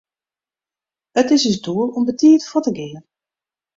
It is ús doel om betiid fuort te gean.